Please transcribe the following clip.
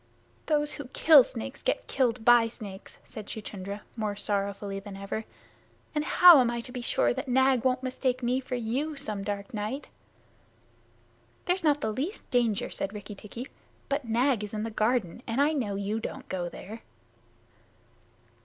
"Those who kill snakes get killed by snakes," said Chuchundra, more sorrowfully than ever. "And how am I to be sure that Nag won't mistake me for you some dark night?" "There's not the least danger," said Rikki tikki. "But Nag is in the garden, and I know you don't go there."